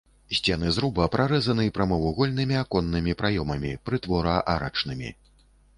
Сцены зруба прарэзаны прамавугольнымі аконнымі праёмамі, прытвора-арачнымі.